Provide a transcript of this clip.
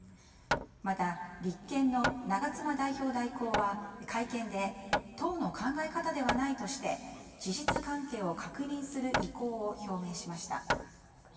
また、立憲の長妻代表代行は会見で党の考え方ではないとして事実関係を確認する意向を表明しました。